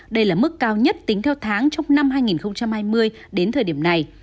đây là mức cao nhất tính theo tháng trong năm hai nghìn hai mươi đến thời điểm này